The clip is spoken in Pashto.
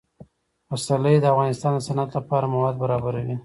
پسرلی د افغانستان د صنعت لپاره مواد برابروي.